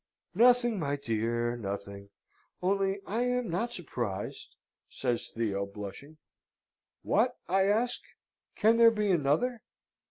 "Nothing, my dear nothing! only I am not surprised!" says Theo, blushing. "What," I ask, "can there be another?"